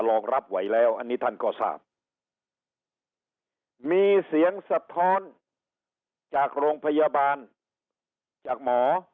รองรับไว้แล้วมีเสียงสะท้อนจากโรงพยาบาลหมอ